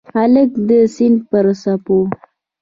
هلک د سیند پر څپو